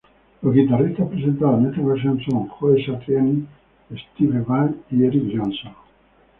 Los guitarristas presentados en esta ocasión son Joe Satriani, Steve Vai y Eric Johnson.